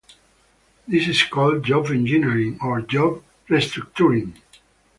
This is called "job engineering" or "job restructuring".